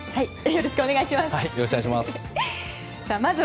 よろしくお願いします。